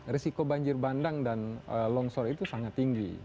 risiko banjir bandang dan longsor itu sangat tinggi